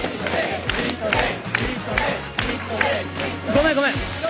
ごめんごめん